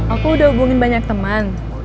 aku udah hubungin banyak teman